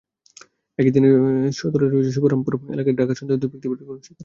একই দিনে সদরের শোভারামপুর এলাকায় ডাকাত সন্দেহে দুই ব্যক্তি গণপিটুনির শিকার হয়।